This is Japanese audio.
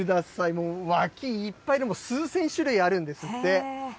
もう脇いっぱい、数千種類あるんですって。